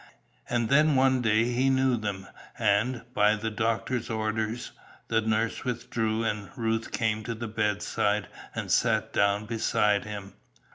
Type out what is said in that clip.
And then one day he knew them, and, by the doctor's orders, the nurse withdrew and Ruth came to the bedside and sat down beside him.